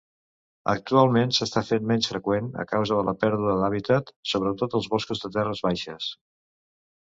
Actualment s'està fent menys freqüent a causa de la pèrdua d'hàbitat, sobretot als boscos de terres baixes.